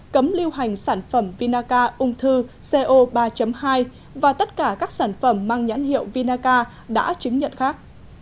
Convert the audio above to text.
cấm lưu hành sản phẩm vinaca ung thư co ba hai và tất cả các sản phẩm mang nhãn hiệu vinaca đã chứng nhận khác